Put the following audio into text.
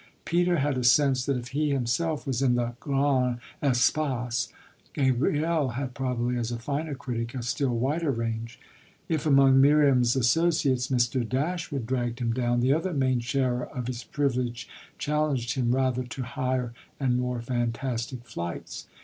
Peter had a sense that if he himself was in the grandes espaces Gabriel had probably, as a finer critic, a still wider range. If among Miriam's associates Mr. Dashwood dragged him down, the other main sharer of his privilege challenged him rather to higher and more fantastic flights.